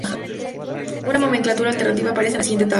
Una nomenclatura alternativa aparece en la siguiente tabla.